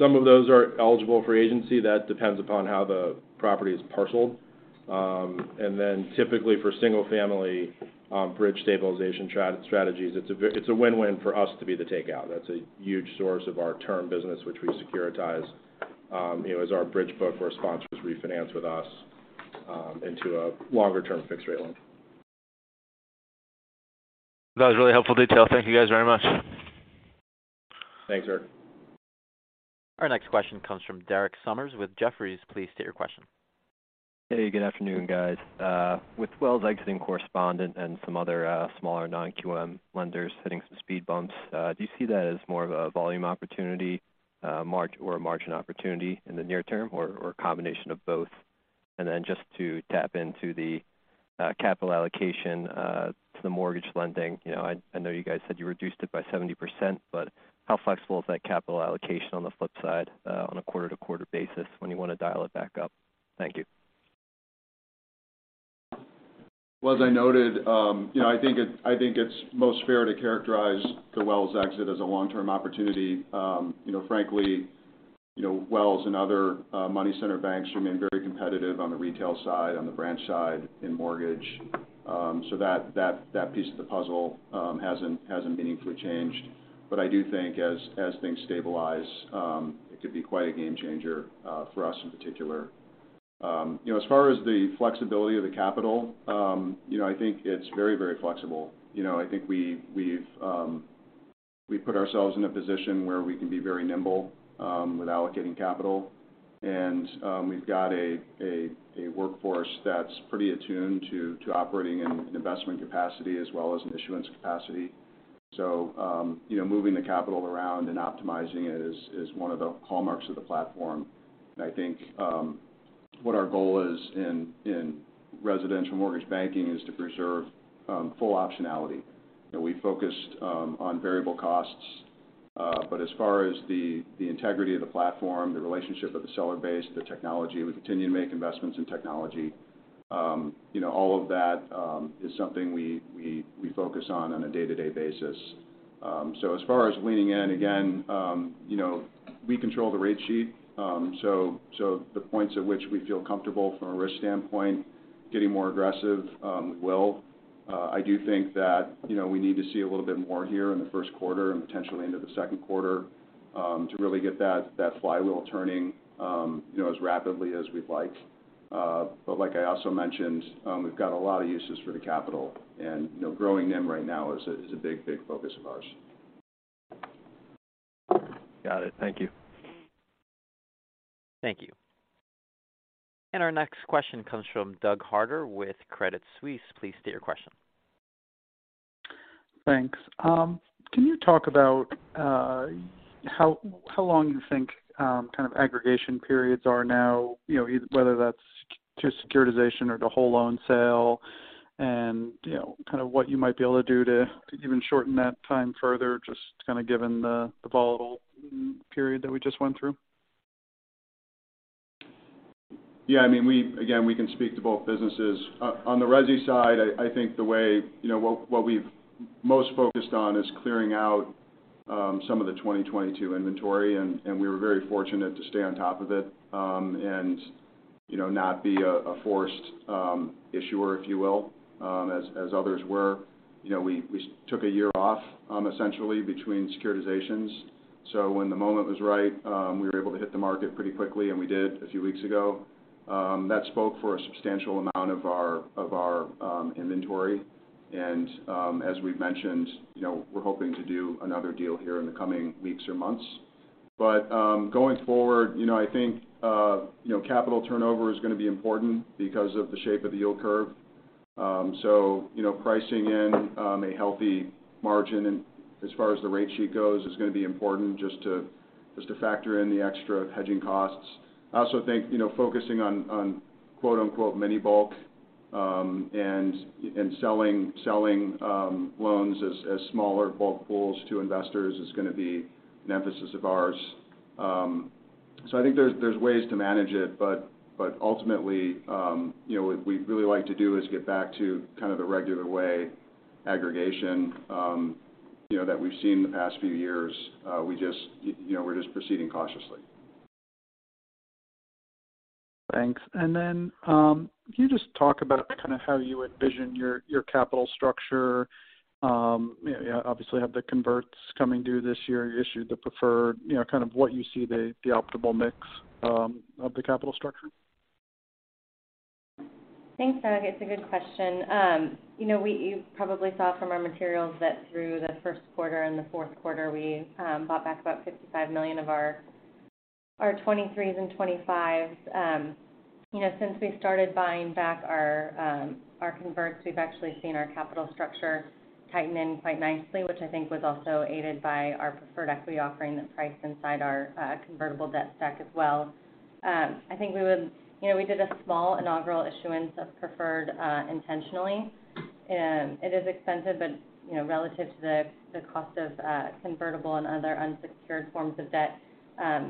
some of those are eligible for agency. That depends upon how the property is parceled. And then typically for single-family, bridge stabilization strategies, it's a win-win for us to be the takeout. That's a huge source of our term business which we securitize, you know, as our bridge book where sponsors refinance with us, into a longer-term fixed-rate loan. That was really helpful detail. Thank you guys very much. Thanks, Eric. Our next question comes from Derek Sommer with Jefferies. Please state your question. Hey, good afternoon, guys. With Wells exiting correspondent and some other, smaller non-QM lenders hitting some speed bumps, do you see that as more of a volume opportunity or a margin opportunity in the near term or a combination of both? Then just to tap into the capital allocation to the mortgage lending, you know, I know you guys said you reduced it by 70%, but how flexible is that capital allocation on the flip side, on a quarter-to-quarter basis when you wanna dial it back up? Thank you. Well, as I noted, you know, I think it's most fair to characterize the Wells exit as a long-term opportunity. You know, frankly, you know, Wells and other money center banks remain very competitive on the retail side, on the branch side, in mortgage. That, that piece of the puzzle, hasn't meaningfully changed. I do think as things stabilize, it could be quite a game changer for us in particular. You know, as far as the flexibility of the capital, you know, I think it's very flexible. You know, I think we've put ourselves in a position where we can be very nimble with allocating capital. We've got a workforce that's pretty attuned to operating in an investment capacity as well as an issuance capacity. You know, moving the capital around and optimizing it is one of the hallmarks of the platform. I think, what our goal is in residential mortgage banking is to preserve full optionality. You know, we focused on variable costs. As far as the integrity of the platform, the relationship with the seller base, the technology, we continue to make investments in technology. You know, all of that is something we focus on on a day-to-day basis. As far as leaning in, again, you know, we control the rate sheet. The points at which we feel comfortable from a risk standpoint, getting more aggressive, we will. I do think that, you know, we need to see a little bit more here in the first quarter and potentially into the second quarter, to really get that flywheel turning, you know, as rapidly as we'd like. Like I also mentioned, we've got a lot of uses for the capital and, you know, growing NIM right now is a big, big focus of ours. Got it. Thank you. Thank you. Our next question comes from Doug Harter with Credit Suisse. Please state your question. Thanks. Can you talk about how long you think, kind of aggregation periods are now, you know, whether that's to securitization or to whole loan sale, and, you know, kind of what you might be able to do to even shorten that time further, just kind of given the volatile period that we just went through? Yeah. I mean, we again, we can speak to both businesses. On the resi side, I think the way... You know, what we've most focused on is clearing out, some of the 2022 inventory, and we were very fortunate to stay on top of it, and, you know, not be a forced issuer, if you will, as others were. You know, we took a year off, essentially between securitizations. When the moment was right, we were able to hit the market pretty quickly, and we did a few weeks ago. That spoke for a substantial amount of our inventory. As we've mentioned, you know, we're hoping to do another deal here in the coming weeks or months. Going forward, you know, I think, you know, capital turnover is gonna be important because of the shape of the yield curve. You know, pricing in a healthy margin and as far as the rate sheet goes is gonna be important just to factor in the extra hedging costs. I also think, you know, focusing on quote-unquote mini bulk, and selling loans as smaller bulk pools to investors is gonna be an emphasis of ours. I think there's ways to manage it, but ultimately, you know, what we'd really like to do is get back to kind of the regular way aggregation, you know, that we've seen the past few years. We just, you know, we're just proceeding cautiously. Thanks. Can you just talk about kind of how you envision your capital structure? You know, you obviously have the converts coming due this year issued the preferred, you know, kind of what you see the optimal mix of the capital structure? Thanks, Doug. It's a good question. You know, you probably saw from our materials that through the first quarter and the fourth quarter, we bought back about $55 million of our 23s and 25s. You know, since we started buying back our converts, we've actually seen our capital structure tighten in quite nicely, which I think was also aided by our preferred equity offering that priced inside our convertible debt stack as well. You know, we did a small inaugural issuance of preferred intentionally. It is expensive, but, you know, relative to the cost of convertible and other unsecured forms of debt,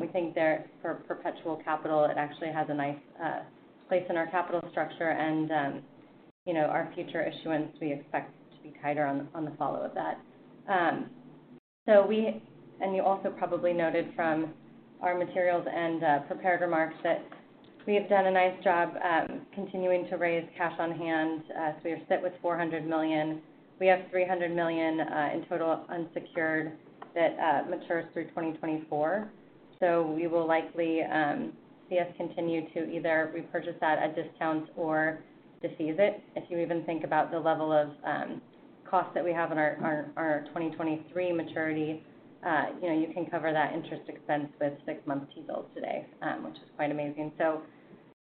we think there for perpetual capital, it actually has a nice place in our capital structure and, you know, our future issuance, we expect to be tighter on the follow of that. You also probably noted from our materials and prepared remarks that we have done a nice job at continuing to raise cash on hand. We sit with $400 million. We have $300 million in total unsecured that matures through 2024. We will likely see us continue to either repurchase that at discounts or to seize it. If you even think about the level of costs that we have in our 2023 maturity, you know, you can cover that interest expense with 6-month T-bills today, which is quite amazing.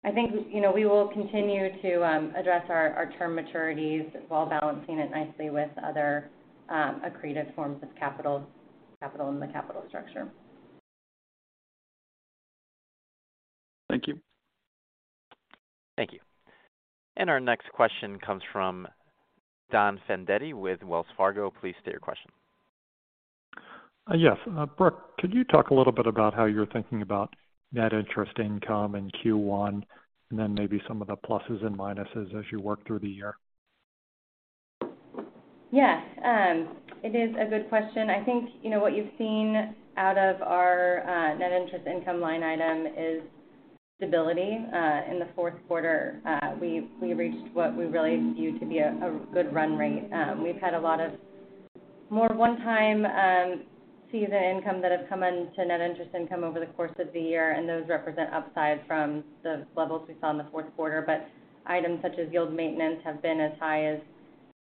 I think, you know, we will continue to address our term maturities while balancing it nicely with other accretive forms of capital in the capital structure. Thank you. Thank you. Our next question comes from Don Fandetti with Wells Fargo. Please state your question. Yes. Brooke, could you talk a little bit about how you're thinking about net interest income in Q1, and then maybe some of the pluses and minuses as you work through the year? Yes, it is a good question. I think, you know, what you've seen out of our net interest income line item is stability. In the fourth quarter, we reached what we really view to be a good run rate. We've had a lot of more one-time season income that have come into net interest income over the course of the year, and those represent upside from the levels we saw in the fourth quarter. Items such as yield maintenance have been as high as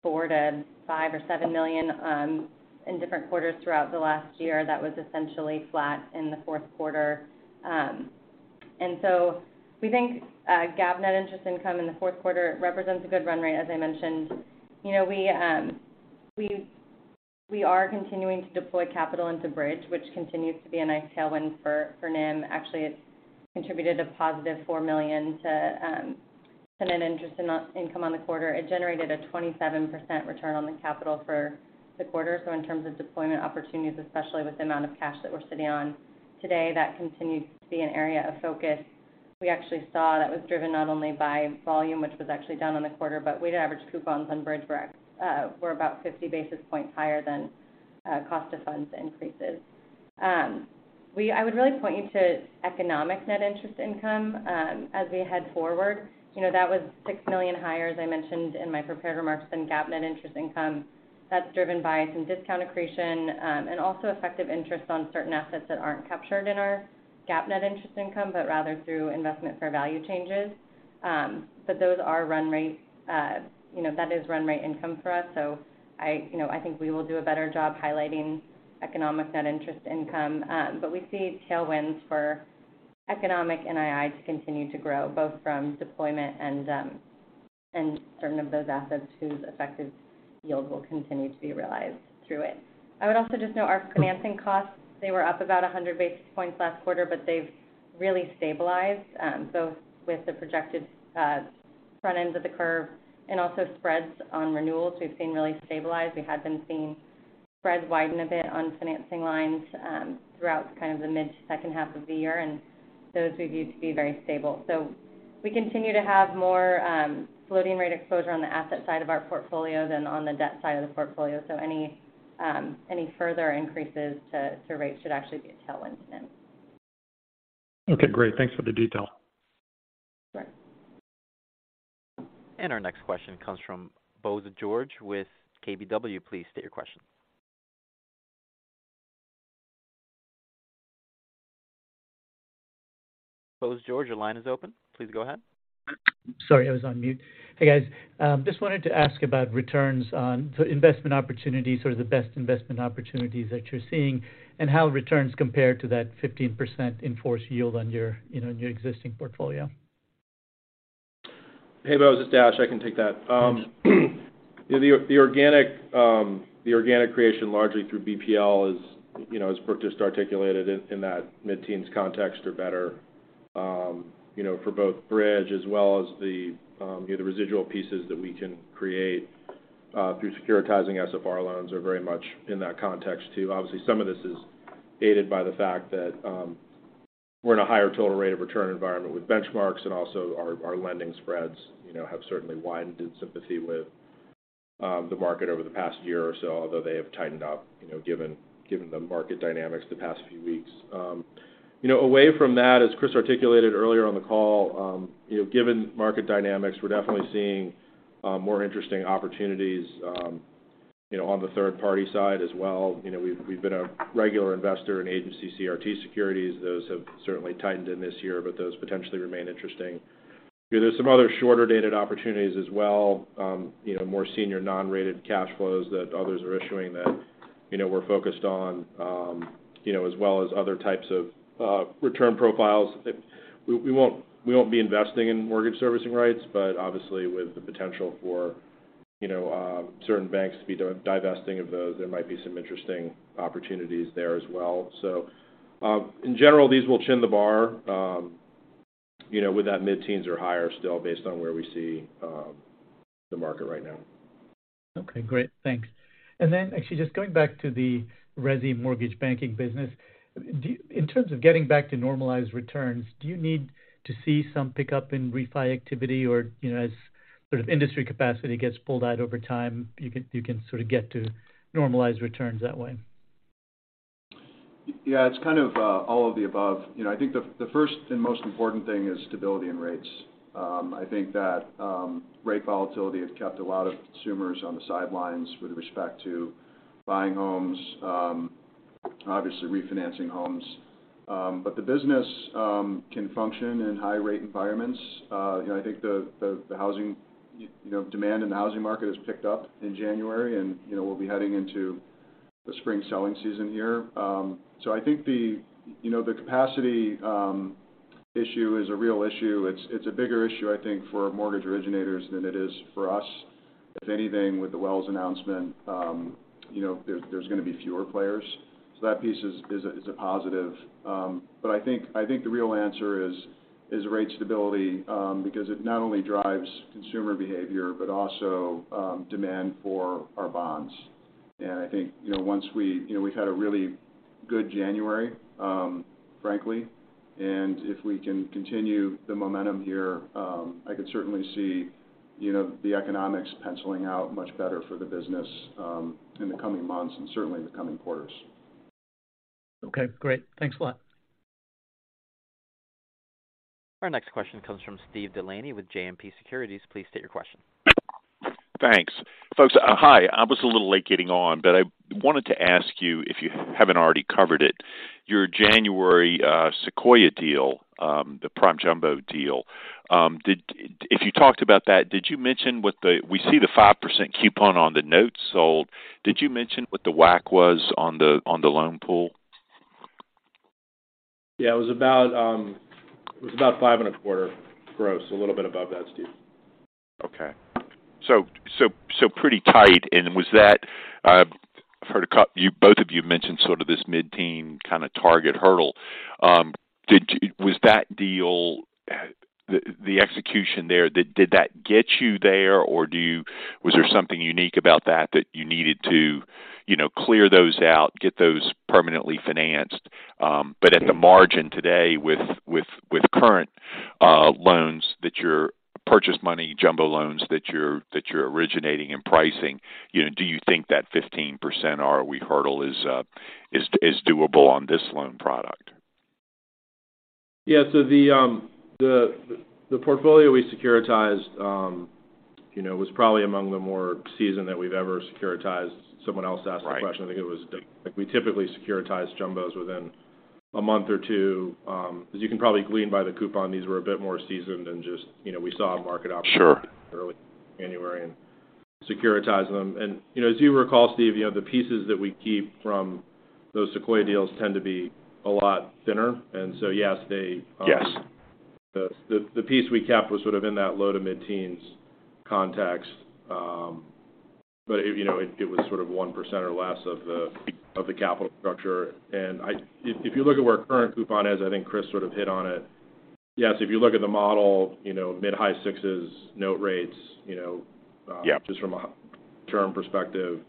$4 million-$5 million or $7 million in different quarters throughout the last year. That was essentially flat in the fourth quarter. We think GAAP net interest income in the fourth quarter represents a good run rate, as I mentioned. You know, we are continuing to deploy capital into Bridge, which continues to be a nice tailwind for NIM. Actually, it's contributed a positive $4 million to net interest in-income on the quarter. It generated a 27% return on the capital for the quarter. In terms of deployment opportunities, especially with the amount of cash that we're sitting on today, that continues to be an area of focus. We actually saw that was driven not only by volume, which was actually down on the quarter, but weighted average coupons on Bridge were about 50 basis points higher than cost of funds increases. I would really point you to economic net interest income as we head forward. You know, that was $6 million higher, as I mentioned in my prepared remarks, than GAAP net interest income. That's driven by some discount accretion, and also effective interest on certain assets that aren't captured in our GAAP net interest income, but rather through investment for value changes. Those are run rate, you know, that is run rate income for us, I think we will do a better job highlighting economic net interest income. We see tailwinds for economic NII to continue to grow, both from deployment and certain of those assets whose effective yield will continue to be realized through it. I would also just note our financing costs, they were up about 100 basis points last quarter, but they've really stabilized. With the projected, front ends of the curve and also spreads on renewals, we've seen really stabilized. We had been seeing spreads widen a bit on financing lines throughout kind of the mid-second half of the year, and those we view to be very stable. We continue to have more floating rate exposure on the asset side of our portfolio than on the debt side of the portfolio. Any further increases to rates should actually be a tailwind to NIM. Okay, great. Thanks for the detail. Sure. Our next question comes from Bose George with KBW. Please state your question. Bose George, your line is open. Please go ahead. Sorry, I was on mute. Hey, guys, just wanted to ask about returns on the investment opportunities or the best investment opportunities that you're seeing and how returns compare to that 15% in force yield on your, you know, on your existing portfolio. Hey, Bose, it's Dash. I can take that. The organic, the organic creation largely through BPL is, you know, as Brooke just articulated in that mid-teens context or better, you know, for both Bridge as well as the, you know, the residual pieces that we can create through securitizing SFR loans are very much in that context too. Obviously, some of this is aided by the fact that we're in a higher total rate of return environment with benchmarks and also our lending spreads, you know, have certainly widened in sympathy with the market over the past year or so, although they have tightened up, you know, given the market dynamics the past few weeks. Away from that, as Chris articulated earlier on the call, given market dynamics, we're definitely seeing more interesting opportunities on the third-party side as well. We've been a regular investor in agency CRT securities. Those have certainly tightened in this year, but those potentially remain interesting. There's some other shorter-dated opportunities as well, more senior non-rated cash flows that others are issuing that we're focused on, as well as other types of return profiles. We won't be investing in mortgage servicing rights, but obviously with the potential for. You know, certain banks to be divesting of those, there might be some interesting opportunities there as well. In general, these will chin the bar, you know, with that mid-teens or higher still based on where we see, the market right now. Okay, great. Thanks. Actually just going back to the resi mortgage banking business, in terms of getting back to normalized returns, do you need to see some pickup in refi activity or, you know, as sort of industry capacity gets pulled out over time, you can sort of get to normalized returns that way? Yeah, it's kind of all of the above. You know, I think the first and most important thing is stability in rates. I think that rate volatility has kept a lot of consumers on the sidelines with respect to buying homes, obviously refinancing homes. The business can function in high rate environments. You know, I think the housing, you know, demand in the housing market has picked up in January, and, you know, we'll be heading into the spring selling season here. I think the, you know, the capacity issue is a real issue. It's a bigger issue, I think, for mortgage originators than it is for us. If anything, with the Wells announcement, you know, there's gonna be fewer players, so that piece is a positive. I think the real answer is rate stability, because it not only drives consumer behavior, but also demand for our bonds. I think, you know, we've had a really good January, frankly, and if we can continue the momentum here, I could certainly see, you know, the economics penciling out much better for the business in the coming months and certainly in the coming quarters. Okay, great. Thanks a lot. Our next question comes from Steven DeLaney with JMP Securities. Please state your question. Thanks. Folks, hi. I was a little late getting on, but I wanted to ask you, if you haven't already covered it, your January Sequoia deal, the prime jumbo deal. If you talked about that, did you mention? We see the 5% coupon on the notes sold. Did you mention what the WAC was on the loan pool? Yeah, it was about 5.25 gross, a little bit above that, Steve. Okay. So pretty tight. Was that, I've heard a couple, you both of you mentioned sort of this mid-teen kinda target hurdle. Was that deal, the execution there, did that get you there, or do you, was there something unique about that you needed to, you know, clear those out, get those permanently financed, at the margin today with current loans that you're purchase money, jumbo loans that you're originating and pricing, you know, do you think that 15% ROE hurdle is doable on this loan product? Yeah. The portfolio we securitized, you know, was probably among the more seasoned that we've ever securitized. Right... asked the question. I think it was. We typically securitize jumbos within a month or 2. As you can probably glean by the coupon, these were a bit more seasoned than just, you know, we saw a market opportunity. Sure... early January and securitizing them. You know, as you recall, Steve, you know, the pieces that we keep from those Sequoia deals tend to be a lot thinner. Yes, they, Yes the piece we kept was sort of in that low-to-mid teens% context. You know, it was sort of 1% or less of the capital structure. If you look at where current coupon is, I think Chris sort of hit on it. Yes, if you look at the model, you know, mid-high 6s% note rates. Yeah... just from a term perspective,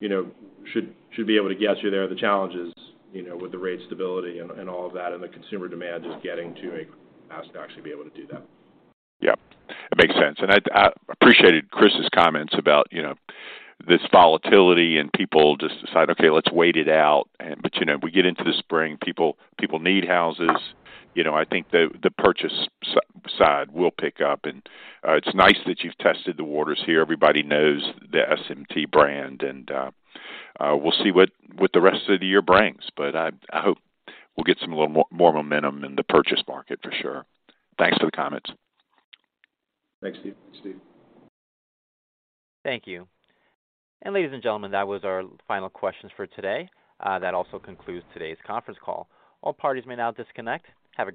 you know, should be able to get you there. The challenge is, you know, with the rate stability and all of that and the consumer demand just getting to a pass to actually be able to do that. Yeah. It makes sense. I appreciated Chris's comments about, you know, this volatility and people just decide, okay, let's wait it out. You know, we get into the spring, people need houses. You know, I think the purchase side will pick up, and it's nice that you've tested the waters here. Everybody knows the SEMT brand, and we'll see what the rest of the year brings. I hope we'll get some little more momentum in the purchase market for sure. Thanks for the comments. Thanks, Steve. Steve. Thank you. Ladies and gentlemen, that was our final questions for today. That also concludes today's conference call. All parties may now disconnect. Have.